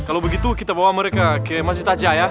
kalau begitu kita bawa mereka ke masjid aceh ya